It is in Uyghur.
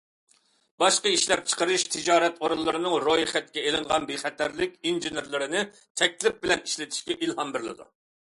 باشقا ئىشلەپچىقىرىش، تىجارەت ئورۇنلىرىنىڭ رويخەتكە ئېلىنغان بىخەتەرلىك ئىنژېنېرلىرىنى تەكلىپ بىلەن ئىشلىتىشكە ئىلھام بېرىلىدۇ.